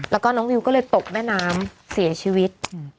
แล้วก็น้องนิวก็เลยตกแม่น้ำเสียชีวิต